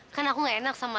kan aku gak enak sama